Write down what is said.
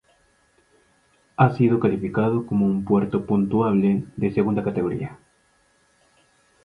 Ha sido calificado como un puerto puntuable de segunda categoría.